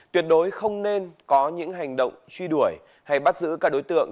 tuyệt đối không nên có những hành động truy đuổi hay bắt giữ các đối tượng